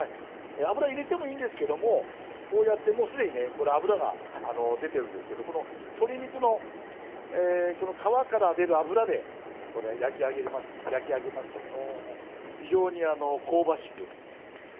油入れてもいいんですけどもこうやってもう既にねこの脂が出てるんですけどこの鶏肉の皮から出る脂で焼き上げますとね非常に香ばしく焼き色がつきます。